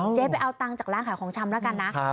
เจ๊ไปเอาตังค์จากร้านขายของชำแล้วกันนะ